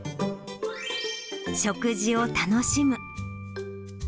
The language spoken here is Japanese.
食事を楽しむ。